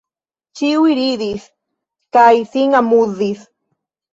Ĉiuj ridis kaj sin amuzis.